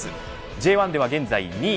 Ｊ１では現在２位。